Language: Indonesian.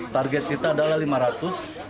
target kita adalah lima ratus